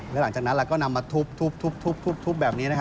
แล้วหลังจากนั้นเราก็นำมาทุบแบบนี้นะฮะ